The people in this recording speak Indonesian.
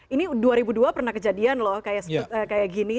ini dua ribu dua pernah kejadian loh kayak gini